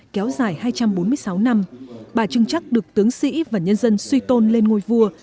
kéo dài hai trăm bốn mươi sáu năm bà trưng chắc được tướng sĩ và nhân dân suy tôn lên ngôi vua